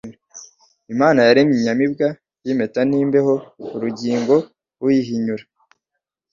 Imana yaremye inyamibwa y' ImpetaNtibeho urugingo uyihinyura